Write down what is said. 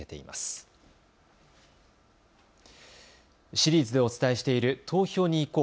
シリーズでお伝えしている投票に行こう！